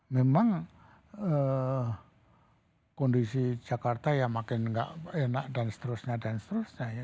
memang kondisi jakarta ya makin nggak enak dan seterusnya dan seterusnya ya